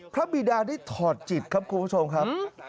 บิดาได้ถอดจิตครับคุณผู้ชมครับ